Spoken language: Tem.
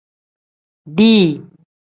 Dii.